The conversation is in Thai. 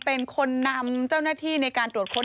เป็นคนนำเจ้าหน้าที่ในการตรวจค้น